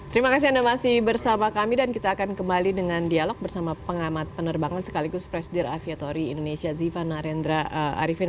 terima kasih anda masih bersama kami dan kita akan kembali dengan dialog bersama pengamat penerbangan sekaligus presidir aviatori indonesia ziva narendra arifin